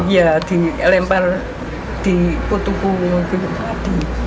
iya dilempar di putu putu